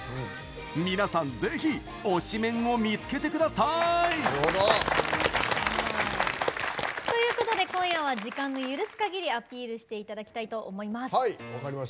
皆さん、ぜひ推しメンを見つけてくださーい！ということで今夜は時間の許すかぎりアピールしていただきたいと思います。